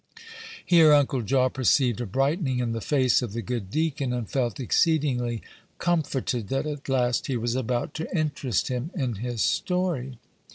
Here Uncle Jaw perceived a brightening in the face of the good deacon, and felt exceedingly comforted that at last he was about to interest him in his story.